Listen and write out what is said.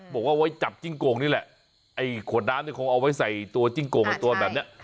บอกว่าไว้จับจิ้งโก่งนี่แหละไอ้ขวดน้ำเนี่ยคงเอาไว้ใส่ตัวจิ้งโก่งกับตัวแบบเนี้ย